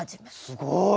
すごい！